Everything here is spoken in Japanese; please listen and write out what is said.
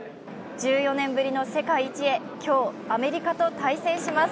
１４年ぶりの世界一へ、今日アメリカと対戦します。